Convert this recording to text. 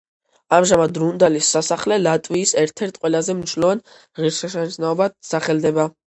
ამჟამად რუნდალის სასახლე ლატვიის ერთ-ერთ ყველაზე მნიშვნელოვან ღირსშესანიშნაობად სახელდება.